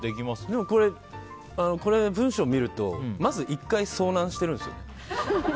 でもこれ、文章を見るとまず１回、遭難してるんですよね。